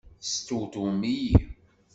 Testewtwem-iyi!